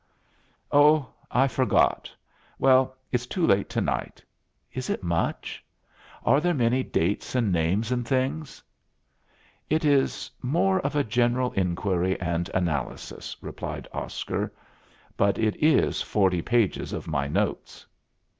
"Oh, I forgot. Well, it's too late tonight. Is it much? Are there many dates and names and things?" "It is more of a general inquiry and analysis," replied Oscar. "But it is forty pages of my notes."